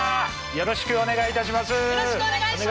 よろしくお願いします！